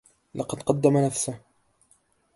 لقد قدّم نفسه.